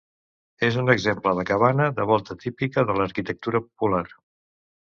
És un exemple de cabana de volta típica de l'arquitectura popular.